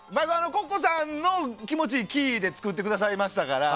Ｃｏｃｃｏさんの気持ちいいキーで作ってくださいましたから。